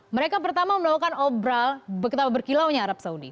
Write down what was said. mereka pertama menawarkan obrol berkilau nya arab saudi